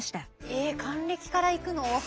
え還暦から行くの？